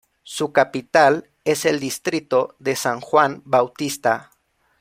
Su capital es el distrito de San Juan Bautista.